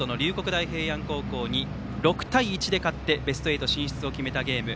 大平安高校に６対１で勝ってベスト８進出を決めたゲーム。